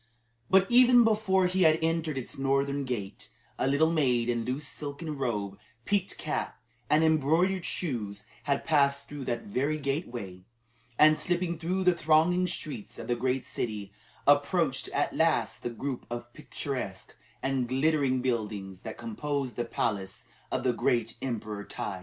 But even before he had entered its northern gate, a little maid in loose silken robe, peaked cap, and embroidered shoes had passed through that very gateway, and slipping through the thronging streets of the great city, approached at last the group of picturesque and glittering buildings that composed the palace of the great Emperor Tai.